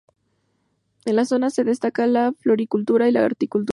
En la zona se destaca la floricultura y la horticultura.